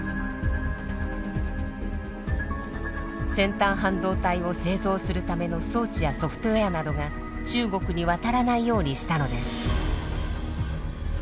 先端半導体を製造するための装置やソフトウエアなどが中国に渡らないようにしたのです。